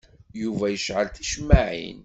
Yuba yecɛel ticemmaɛin.